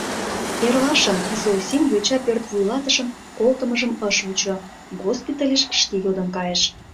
Эрлашын Зосим йоча пӧрт вуйлатышын колтымыжым ыш вучо, госпитальыш шке йодын кайыш.